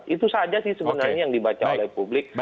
itu saja sih sebenarnya yang dibaca oleh publik